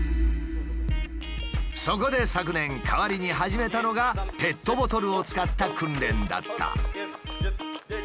そこで昨年代わりに始めたのがペットボトルを使った訓練だった。